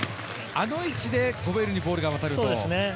あの位置でゴベールにボールが渡ると。